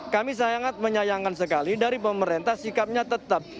kami sangat menyayangkan sekali dari pemerintah sikapnya tetap